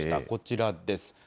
こちらです。